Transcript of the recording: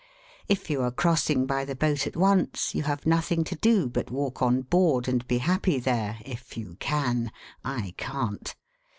If you are crossing by the boat at once, you have nothing to do but walk on board and be happy there if you can—I can't.